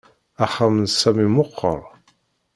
Axxam n Sami meqqer